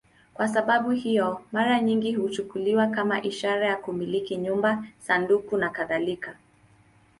Kwa sababu hiyo, mara nyingi huchukuliwa kama ishara ya kumiliki nyumba, sanduku nakadhalika.